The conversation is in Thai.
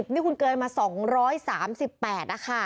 นี่คุณเกยมา๒๓๘นะคะ